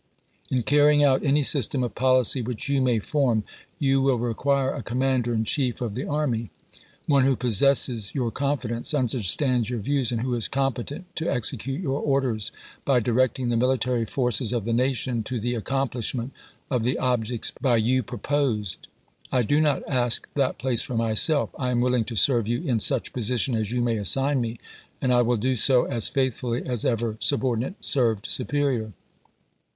In carrying out any system of policy which you may form, you will require a commander in chief of the army ; one who possesses your confidence, understands your views, and who is competent to execute your orders by directing the military forces of the nation to the ac complishment of the objects by you proposed. I do not ask that place for myself. I am willing to serve you in such position as you may assign me, and I will do so as faithfully as ever subordinate served superior.